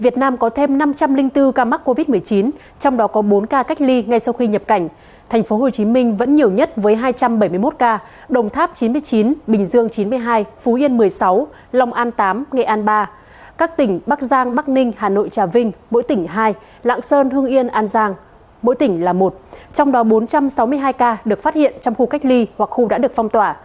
trong đó bốn trăm sáu mươi hai ca được phát hiện trong khu cách ly hoặc khu đã được phong tỏa